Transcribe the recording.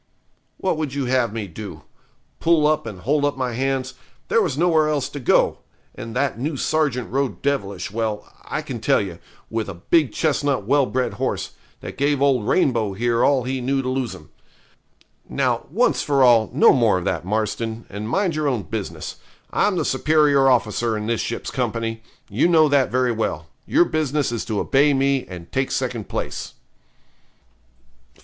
'What would you have me do? Pull up and hold up my hands? There was nowhere else to go; and that new sergeant rode devilish well, I can tell you, with a big chestnut well bred horse, that gave old Rainbow here all he knew to lose him. Now, once for all, no more of that, Marston, and mind your own business. I'm the superior officer in this ship's company you know that very well your business is to obey me, and take second place.'